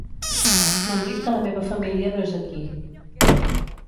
M'han dit que la meva família no és aquí.